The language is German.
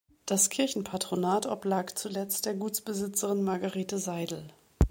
Das Kirchenpatronat oblag zuletzt der Gutsbesitzerin Margarethe Seidel.